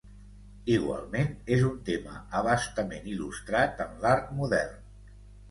Igualment és un tema a bastament il·lustrat en l'art modern.